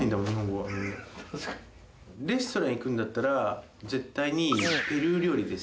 レストラン行くんだったら絶対にペルー料理です。